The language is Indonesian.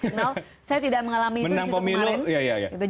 saya tidak mengalami itu di situ kemarin